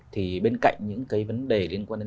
thì bên cạnh những cái vấn đề liên quan đến